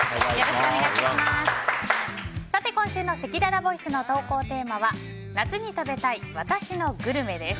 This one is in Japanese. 今週のせきららボイスの投稿テーマは夏に食べたい私のグルメです。